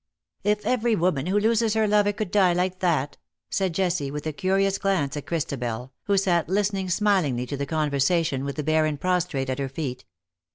If every woman who loses her lover could die like that/' said Jessie^ with a curious glance at Christabel, who sat listening smilingly to the con versation, with the Baron prostrate at her feet.